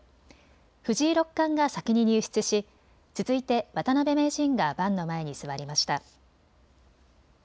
藤井六冠が先に入室し続いて渡辺名人が盤の前に座りました。